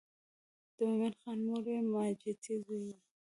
د مومن خان مور یو ماجتي زوی و.